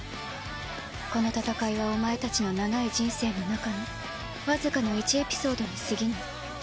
この戦いはお前たちの長い人生の中の僅かな１エピソードにすぎない。